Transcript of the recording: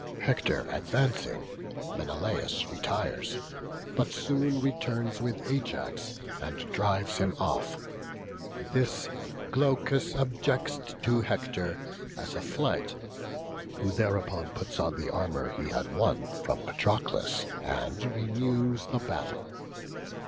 Hector advancing, Menelaus retires; but soon returns with Ajax, and drives him off. This Glaucus objects to Hector as a flight, who thereupon puts on the armour he had won from Patroclus, and renews the battle.